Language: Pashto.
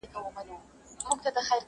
نه په كار مي پاچهي نه خزانې دي.!